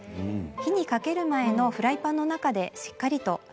火にかける前のフライパンの中でしっかりと！